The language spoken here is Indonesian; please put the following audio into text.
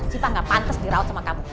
cipa enggak pantas dirawat sama kamu